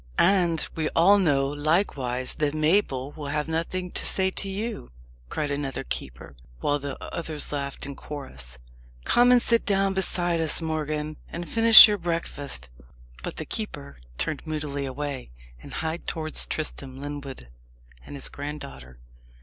"And we all know, likewise, that Mabel will have nothing to say to you!" cried another keeper, while the others laughed in chorus. "Come and sit down beside us, Morgan, and finish your breakfast." But the keeper turned moodily away, and hied towards Tristram Lyndwood and his granddaughter.